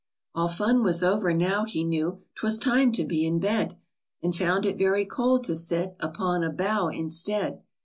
All fun was over now ; he knew 'T was time to be in bed ; And found it very cold to sit Upon a bough instead.